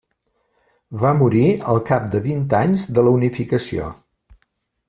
Va morir al cap de vint anys de la unificació.